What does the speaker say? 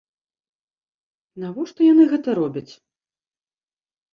Навошта яны гэта робяць?